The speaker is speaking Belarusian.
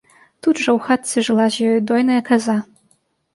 Тут жа ў хатцы жыла з ёю дойная каза.